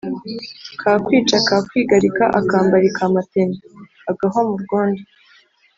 Kakwica kakwigarika akambari ka Matene.-Agahwa mu rwondo.